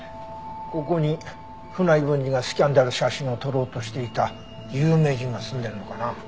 ここに船井文治がスキャンダル写真を撮ろうとしていた有名人が住んでるのかな？